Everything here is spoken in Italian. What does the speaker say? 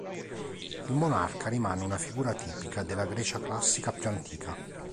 Il monarca rimane una figura tipica della Grecia classica più antica.